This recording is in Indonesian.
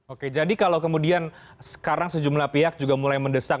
oke jadi kalau kemudian sekarang sejumlah pihak juga mulai mendesak